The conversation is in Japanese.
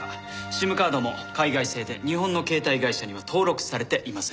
ＳＩＭカードも海外製で日本の携帯会社には登録されていません。